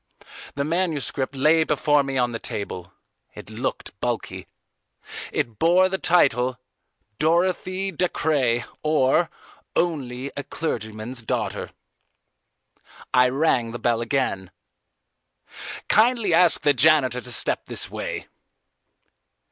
The manuscript lay before me on the table. It looked bulky. It bore the title Dorothy Dacres, or, Only a Clergyman's Daughter. I rang the bell again. "Kindly ask the janitor to step this way."